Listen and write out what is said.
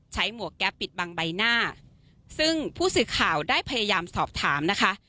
หมวกแก๊ปปิดบังใบหน้าซึ่งผู้สื่อข่าวได้พยายามสอบถามนะคะ